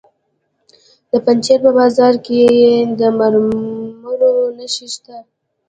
د پنجشیر په بازارک کې د مرمرو نښې شته.